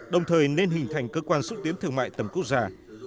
đồng thời nên hình thành cơ quan xúc tiến thương mại tầm quốc gia